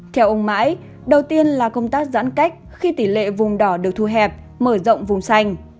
theo ông mãi đầu tiên là công tác giãn cách khi tỷ lệ vùng đỏ được thu hẹp mở rộng vùng xanh